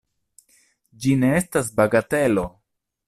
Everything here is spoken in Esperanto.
Ĝi ne estas bagatelo!